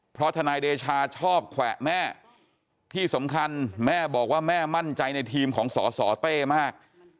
เพราะทนายเดชาชอบแขวะแม่ที่สำคัญแม่บอกว่าแม่มั่นใจในทีมของสสเต้มาก